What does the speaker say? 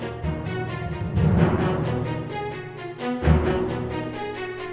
aku langsung berangkat aja ma masih ada kerjaan